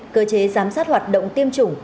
cơ chế giám sát hoạt động tiêm chủng